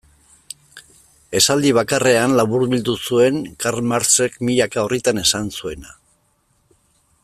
Esaldi bakarrean laburbildu zuen Karl Marxek milaka orritan esan zuena.